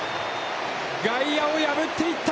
外野を破っていった。